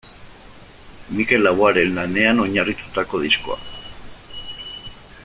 Mikel Laboaren lanean oinarritutako diskoa.